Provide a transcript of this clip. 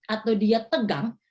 atau dia tegang